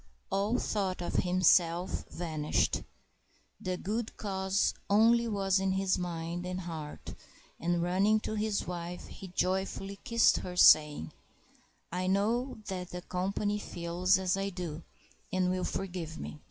All thought of himself vanished. The good cause only was in his mind and heart, and, running to his wife, he joyfully kissed her, saying, "I know that the company feels as I do, and will forgive me."